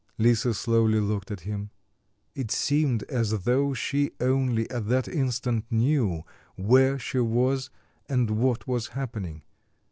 Lisa slowly looked at him. It seemed as though she only at that instant knew where she was and what was happening.